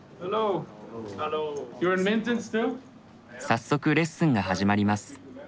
早速レッスンが始まります。